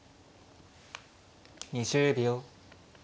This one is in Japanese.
２０秒。